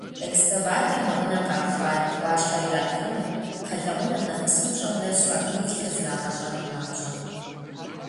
Экскаватор нэгъунэ къахуат, Ӏуащхьэр иратхъуну, кхъэлэгъунэм нэхъ псынщӀэу нэсу абы илъыр зрагъэщӀэн папщӀэ.